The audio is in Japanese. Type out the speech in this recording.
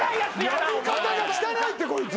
やり方が汚いってこいつ。